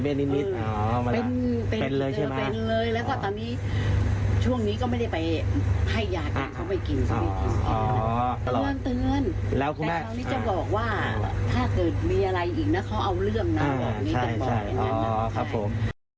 เขาเอาเรื่องหน่อยนี่เต็มบ่อยอ๋อครับผม